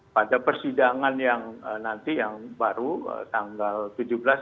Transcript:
pada persidangan yang nanti yang baru tanggal tujuh belas